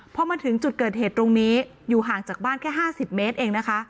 พอมาถึงจุดเกิดเหตุตรงนี้อยู่ห่างจากบ้านแค่๕๐เมตรเองนะคะ